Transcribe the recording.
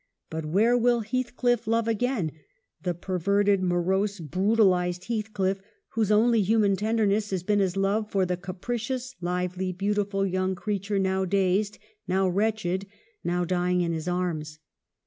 But where will Heathcliff love again, the perverted, morose, brutalized Heathcliff, whose only human tenderness has been his love for the capricious, lively, beautiful young creature, now dazed, now wretched, now dying in his arms